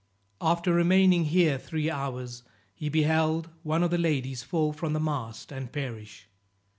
After remaining here three hours, he beheld one of the ladies fall from the mast and perish.